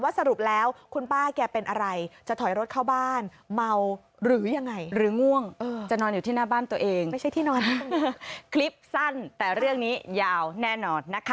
ว่าสรุปแล้วคุณป้าแกเป็นอะไรจะถอยรถเข้าบ้าน